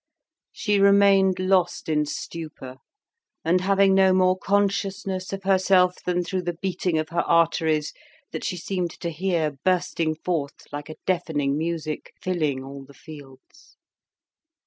She remained lost in stupor, and having no more consciousness of herself than through the beating of her arteries, that she seemed to hear bursting forth like a deafening music filling all the fields.